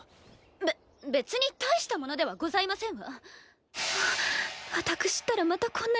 べ別に大したものではございませんわ。